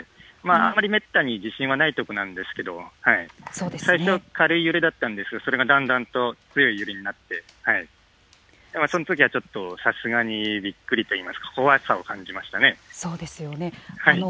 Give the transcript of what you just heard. あんまりめったに地震はないとこなんですけど、最初、軽い揺れだったんですが、それがだんだんと強い揺れとなって、そんときはちょっとさすがにびっくりといいまそうですよね。